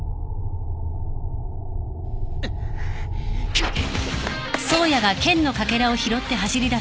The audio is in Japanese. くっ！